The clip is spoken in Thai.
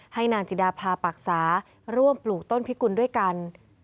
ให้นางจิดาพาปรักษาร่วมปลูกต้นพิกุลด้วยกัน